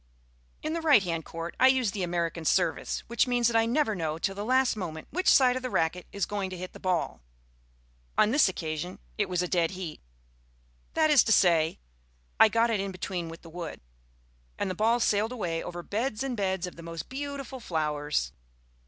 In the right hand court I use the American service, which means that I never know till the last moment which side of the racquet is going to hit the ball. On this occasion it was a dead heat that is to say, I got it in between with the wood; and the ball sailed away over beds and beds of the most beautiful flowers.